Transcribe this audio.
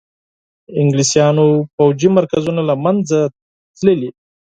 انګلیسیانو پوځي مرکزونه له منځه تللي.